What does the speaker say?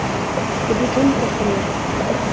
Det blir tomt efter er.